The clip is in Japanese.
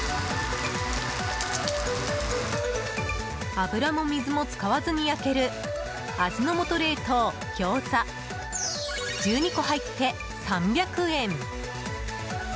油も水も使わずに焼ける味の素冷凍ギョーザ１２個入って３００円。